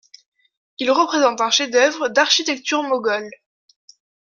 Il représente un chef-d'œuvre d'architecture moghole.